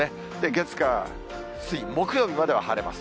月、火、水、木曜日までは晴れます。